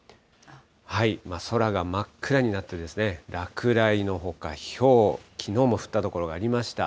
空が真っ暗になって、落雷のほか、ひょう、きのうも降った所がありました。